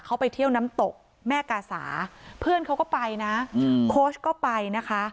เขาไปเที่ยวน้ำตกแม่กาสาเพื่อนเขาก็ไปนะโค้ชก็ไปนะคะ